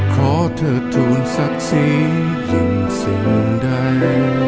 ขอเทิดทูลศักดิ์ศรีถึงสิ่งใด